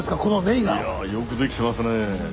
いやよくできてますねえ。